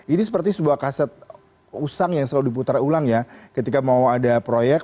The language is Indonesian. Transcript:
ini seperti sebuah kaset usang yang selalu diputar ulang ya ketika mau ada proyek